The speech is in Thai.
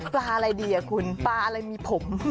อะไรดีคุณปลาอะไรมีผม